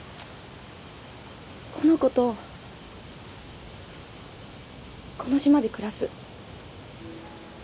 この子とこの島で暮らす。